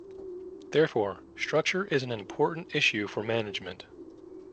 Therefore, structure is an important issue for management.